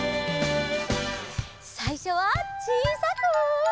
さいしょはちいさく。